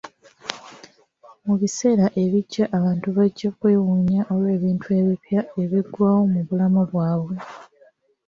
Mu biseera ebijja, abantu bajja kwewuunya olw'ebintu ebipya ebigwawo mu bulamu bwabwe.